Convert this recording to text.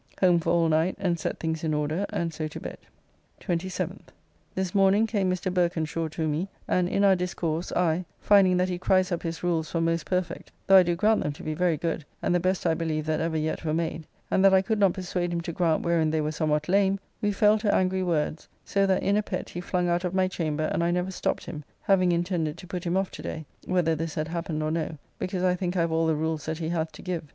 Home for all night and set things in order and so to bed. 27th. This morning came Mr. Berkenshaw to me and in our discourse I, finding that he cries up his rules for most perfect (though I do grant them to be very good, and the best I believe that ever yet were made), and that I could not persuade him to grant wherein they were somewhat lame, we fell to angry words, so that in a pet he flung out of my chamber and I never stopped him, having intended to put him off today, whether this had happened or no, because I think I have all the rules that he hath to give.